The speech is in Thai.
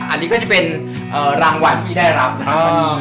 อันนี้ก็จะเป็นรางวัลที่ได้รับนะครับ